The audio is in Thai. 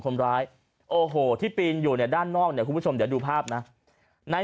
คนร้ายโอ้โหที่ปีนอยู่เนี่ยด้านนอกเนี่ยคุณผู้ชมเดี๋ยวดูภาพนะใน